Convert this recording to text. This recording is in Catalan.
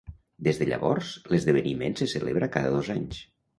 Des de llavors, l'esdeveniment se celebra cada dos anys.